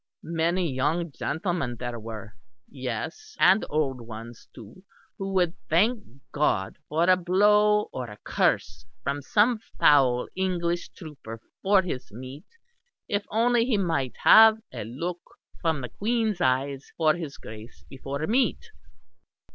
Many young gentlemen there were, yes and old ones too, who would thank God for a blow or a curse from some foul English trooper for his meat, if only he might have a look from the Queen's eyes for his grace before meat.